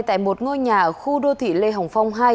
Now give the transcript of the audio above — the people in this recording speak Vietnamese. tại một ngôi nhà ở khu đô thị lê hồng phong hai